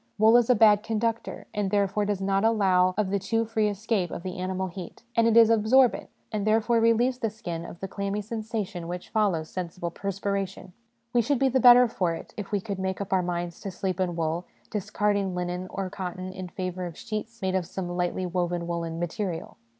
Wool is a bad conductor, and therefore does not allow of the too free escape of the animal heat ; and it is absorbent, and therefore relieves the skin of the clammy sensa SOME PRELIMINARY CONSIDERATIONS 37 tions which follow sensible perspiration. We should be the better for it if we could make up our minds to sleep in wool, discarding linen or cotton in favour of sheets made of some lightly woven woollen material.